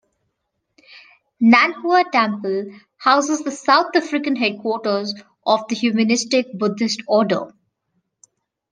Nan Hua Temple houses the South African headquarters of the Humanistic Buddhist order.